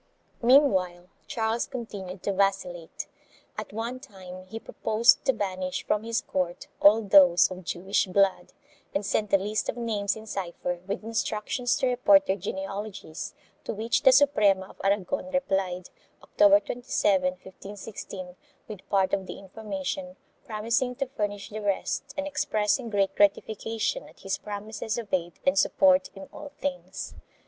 4 Meanwhile Charles continued to vacillate. At one time he proposed to banish from his court all those of Jewish blood, and sent a list of names in cypher with instructions to report their genealogies, to which the Suprema of Aragon replied, October 27, 1516, with part of the information, promising to furnish the rest and expressing great gratification at his promises of aid and support in all things.